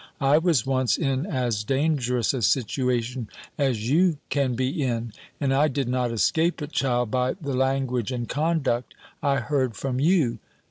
I was once in as dangerous a situation as you can be in. And I did not escape it, child, by the language and conduct I heard from you."